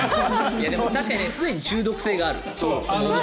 確かにすでに中毒性がある。